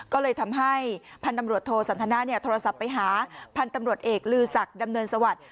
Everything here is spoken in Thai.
ก็เลยทำให้พันธมโรทโทสันทนาเนี่ยโทรศัพท์ไปหาพันธมโรทเอกลือสักดำเนินสวรรค์